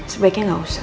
sebaiknya gak usah